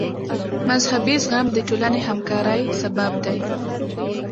مذهبي زغم د ټولنې همکارۍ سبب دی.